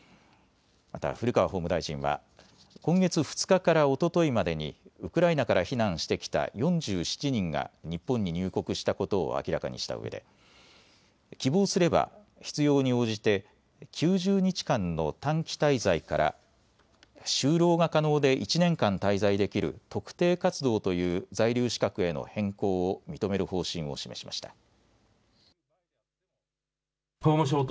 また古川法務大臣は今月２日からおとといまでにウクライナから避難してきた４７人が日本に入国したことを明らかにしたうえで希望すれば必要に応じて９０日間の短期滞在から就労が可能で１年間滞在できる特定活動という在留資格への変更を認める方針を示しました。